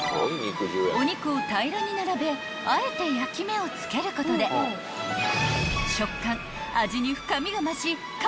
［お肉を平らに並べあえて焼き目をつけることで食感味に深みが増し香りも豊かに］